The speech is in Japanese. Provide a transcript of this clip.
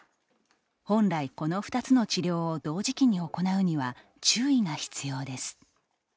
本来、この２つの治療を同時期に行うには注意が必要です。